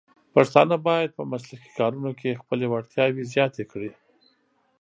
پښتانه بايد په مسلکي کارونو کې خپلې وړتیاوې زیاتې کړي.